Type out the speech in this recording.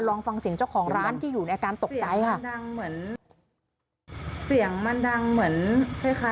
ลองฟังเสียงเจ้าของร้านที่อยู่ในอาการตกใจค่ะ